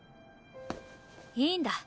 いいんだ。